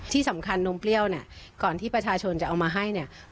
ที่สำคัญนมเปรี้ยวเนี่ยก่อนที่ประชาชนจะเอามาให้เนี่ย